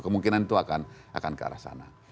kemungkinan itu akan ke arah sana